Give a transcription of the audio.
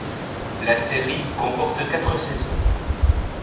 La série comporte quatre saisons.